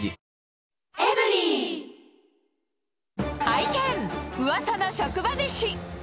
拝見、うわさの職場めし。